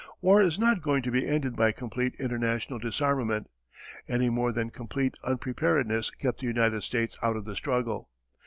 War is not going to be ended by complete international disarmament, any more than complete unpreparedness kept the United States out of the struggle.